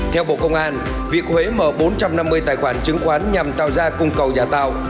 theo bộ công an việc huế mở bốn trăm năm mươi tài khoản chứng khoán nhằm tạo ra cung cầu giả tạo